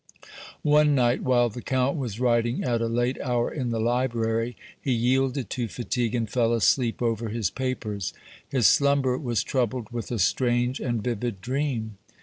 One night, while the Count was writing at a late hour in the library, he yielded to fatigue and fell asleep over his papers. His slumber was troubled with a strange and vivid dream.